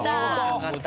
よかった。